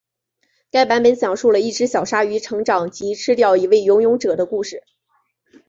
该版本讲述了一只小鲨鱼成长及吃掉一位游泳者的故事。